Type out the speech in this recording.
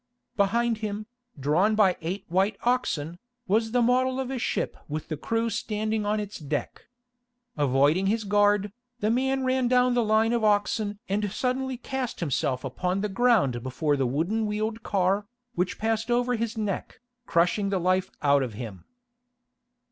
Behind him, drawn by eight white oxen, was the model of a ship with the crew standing on its deck. Avoiding his guard, the man ran down the line of oxen and suddenly cast himself upon the ground before the wooden wheeled car, which passed over his neck, crushing the life out of him.